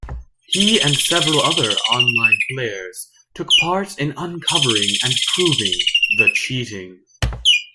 He and several other online players took part in uncovering and proving the cheating.